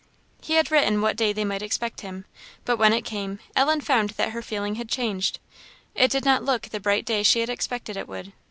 He had written what day they might expect him. But when it came, Ellen found that her feeling had changed; it did not look the bright day she had expected it would.